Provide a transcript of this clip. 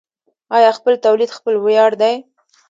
آیا خپل تولید خپل ویاړ دی؟